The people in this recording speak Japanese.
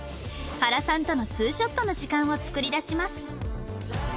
原さんとのツーショットの時間を作り出します